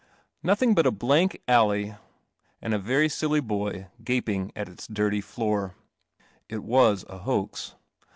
Nothing but a blank alley and a very silly boy gaping at its dirty floor. It was a hoax.